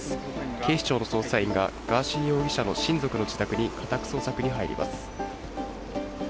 警視庁の捜査員が、ガーシー容疑者の親族の自宅に家宅捜索に入ります。